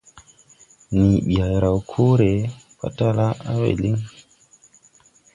Nii ɓi hay raw koore, matala á a we liŋ.